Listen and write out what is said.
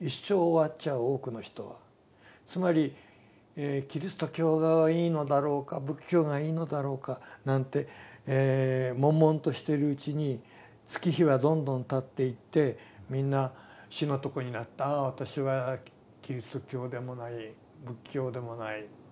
つまりキリスト教がいいのだろうか仏教がいいのだろうかなんて悶々としているうちに月日はどんどんたっていってみんな死の床になってああ私はキリスト教でもない仏教でもない神道でもない